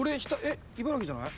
茨城じゃない？